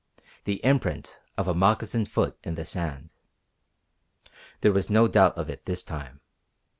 The imprint of a moccasined foot in the sand! There was no doubt of it this time.